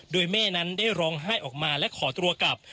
โดยแม่นั้นได้ร้องไห้ออกมาและขอตัวกลับ